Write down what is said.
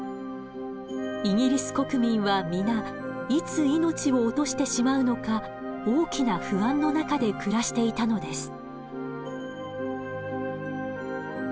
イギリス国民は皆いつ命を落としてしまうのか大きな不安の中で暮らしていたのです。